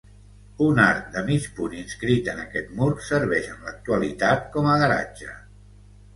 Un arc de mig punt inscrit en aquest mur, serveix en l'actualitat com a garatge.